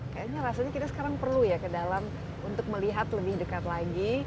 kayaknya rasanya kita sekarang perlu ya ke dalam untuk melihat lebih dekat lagi